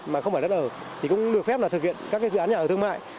mà không phải đất ở thì cũng được phép là thực hiện các dự án nhà ở thương mại